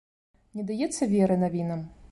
Не даецца веры навінам.